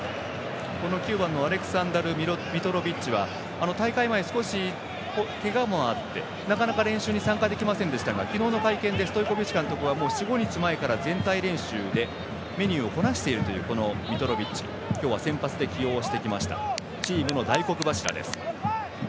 この９番のアレクサンダル・ミトロビッチは大会前、少しけがもあってなかなか練習に参加できませんでしたが昨日の会見でストイコビッチ監督は４５日前から全体練習でメニューをこなしているということで今日は先発で起用してきました。